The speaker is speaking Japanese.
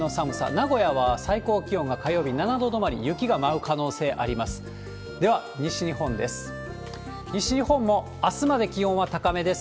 名古屋は最高気温が火曜日、７度止まり、雪が舞う可能性あります。